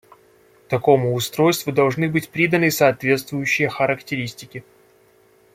Такому устройству должны быть приданы соответствующие характеристики.